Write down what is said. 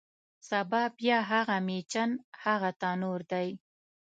سبا بیا هغه میچن، هغه تنور دی